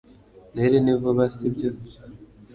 noheri ni vuba, si byo